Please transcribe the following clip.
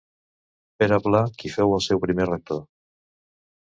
Pere Pla qui fou el seu primer rector.